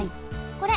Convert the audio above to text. これ。